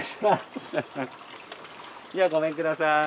じゃごめんください。